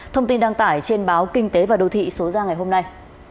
thông tin đăng tải trên báo kinh tế và đầu thị số ra ngày hôm nay